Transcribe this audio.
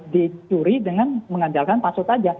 dicuri dengan mengandalkan password saja